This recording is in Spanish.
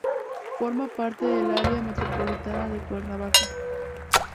Forma parte del Área Metropolitana de Cuernavaca.